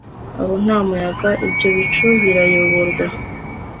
Aho nta muyaga ibyo bicu birayoborwa